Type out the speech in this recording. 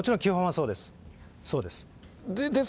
そうです。